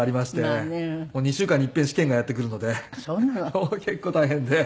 もう結構大変で。